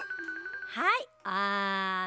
はいあん。